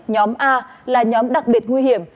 nhóm a là nhóm đặc biệt nguy hiểm